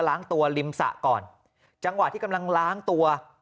ตัวริมสระก่อนจังหวะที่กำลังล้างตัว